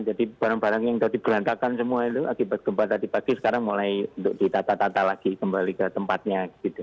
jadi barang barang yang tadi berantakan semua itu akibat gempa tadi pagi sekarang mulai ditata tata lagi kembali ke tempatnya